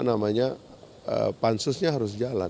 tapi pansusnya harus jalan